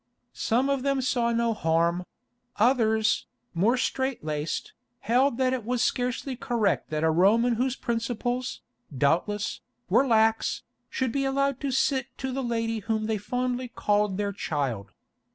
Some of them saw no harm; others, more strait laced, held that it was scarcely correct that a Roman whose principles, doubtless, were lax, should be allowed to sit to the lady whom they fondly called their child.